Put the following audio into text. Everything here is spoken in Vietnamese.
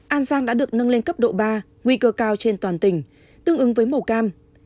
an giang đã được nâng lên cấp độ ba nguy cơ cao trên toàn tỉnh tương ứng với màu cam